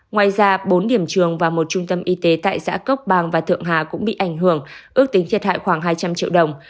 ngoài ra bốn điểm trường và một trung tâm y tế tại xã cốc bàng và thượng hà cũng bị ảnh hưởng ước tính thiệt hại khoảng hai trăm linh triệu đồng